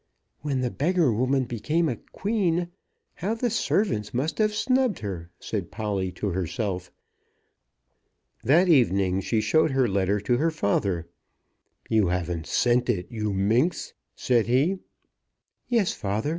"When the beggar woman became a queen, how the servants must have snubbed her," said Polly to herself. That evening she showed her letter to her father. "You haven't sent it, you minx?" said he. "Yes, father.